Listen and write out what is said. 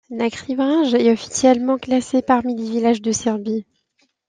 Nakrivanj est officiellement classé parmi les villages de Serbie.